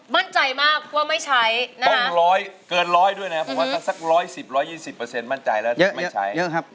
มั่นใจมากว่าไม่ใช้นะฮะ